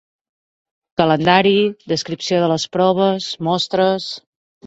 Calendari, descripció de les proves, mostres...